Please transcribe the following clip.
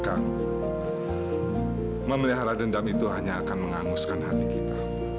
kang memelihara dendam itu hanya akan menganguskan hati kita